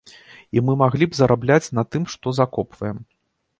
І мы маглі б зарабляць на тым, што закопваем.